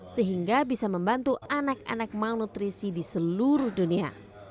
sehingga bisa membantu anak anak malnutrisi di seluruh dunia